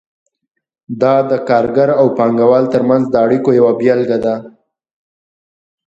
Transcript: دا د کارګر او پانګه وال ترمنځ د اړیکو یوه بیلګه ده.